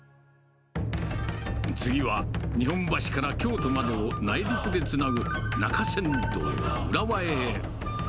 次は、日本橋から京都までを内陸でつなぐ中山道浦和へ。